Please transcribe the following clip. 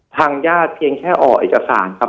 ทางญาติเพียงแค่ออกเอกสารครับ